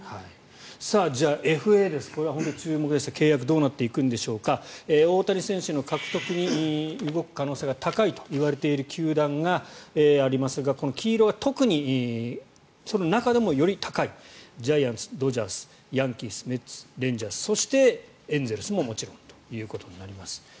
じゃあ、ＦＡですが注目ですけど契約がどうなっていくのか大谷選手の獲得に動く可能性が高いと言われている球団がありますが黄色は特にその中でもより高いジャイアンツ、ドジャースヤンキース、メッツレンジャーズそしてエンゼルスももちろんということになります。